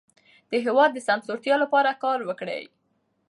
د هېواد د سمسورتیا لپاره کار وکړئ.